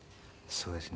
そうですね。